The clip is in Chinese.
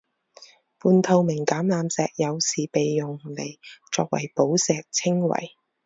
半透明橄榄石有时被用来作为宝石称为。